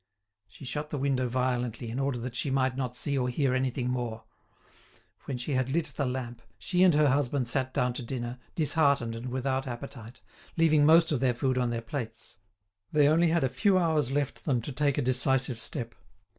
She shut the window violently, in order that she might not see or hear anything more. When she had lit the lamp, she and her husband sat down to dinner, disheartened and without appetite, leaving most of their food on their plates. They only had a few hours left them to take a decisive step.